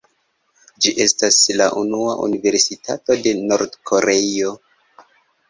Ĝi estas la unua universitato de Nord-Koreio.